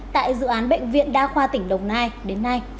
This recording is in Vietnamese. tại dự án bệnh viện đa khoa tỉnh đồng nai đến nay